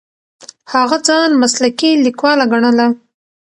هغه ځان مسلکي لیکواله ګڼله.